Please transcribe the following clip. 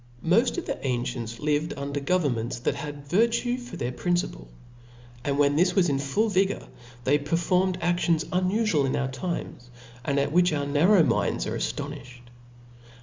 OK TV/TpST of the ancients lived under govcrn p/^., ^^^ meats that had virtue for their principle i Boo I IV. Chap. *»^ 5 and when this was in full vigor, they performed adions unufual in our times, and ac which our narrow minds are aftoniftied.